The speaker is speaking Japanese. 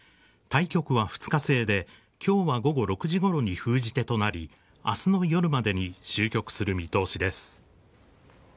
対局は２日制で、きょうは午後６時ごろに封じ手となり、あすの夜までの終局する見通しです。